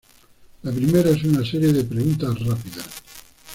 La primera es una serie de preguntas rápidas.